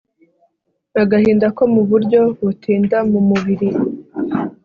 agahinda komuburyo butinda mumubiri